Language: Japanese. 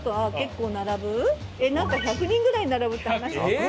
なんか１００人ぐらい並ぶって話も。